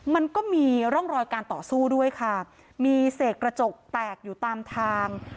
มันก็มีร่องรอยการต่อสู้ด้วยค่ะมีเศษกระจกแตกอยู่ตามทาง